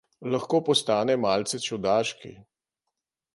Lahko postane malce čudaški.